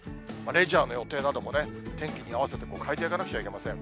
レジャーの予定なども天気に合わせて変えていかなくちゃいけません。